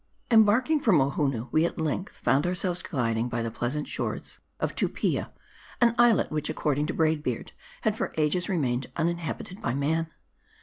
EMBARKING from Ohonoo, we at length found ourselves gliding by the pleasant shores of Tupia, an islet which ac cording to Braid Beard had for ages remained uninhabited by man.